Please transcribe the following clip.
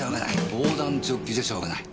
防弾チョッキじゃしょうがない。